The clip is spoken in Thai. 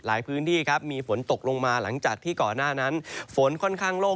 หลายพื้นที่ครับมีฝนตกลงมาหลังจากที่เกาะหน้านั้นฝนค่อนข้าง